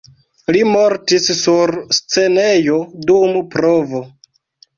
Li mortis sur scenejo dum provo.